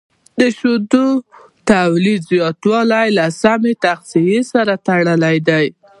د شیدو تولید زیاتوالی له سمه تغذیې سره تړلی دی.